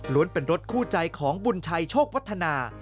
เป็นรถคู่ใจของบุญชัยโชควัฒนา